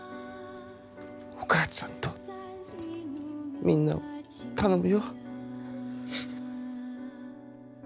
お母ちゃんとみんなを頼むよ。